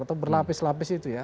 atau berlapis lapis itu ya